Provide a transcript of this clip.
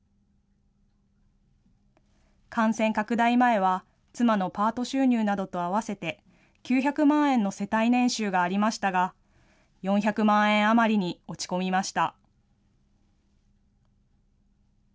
感染拡大前は、妻のパート収入などと合わせて、９００万円の世帯年収がありましたが、４００万円余りに落ち込みました。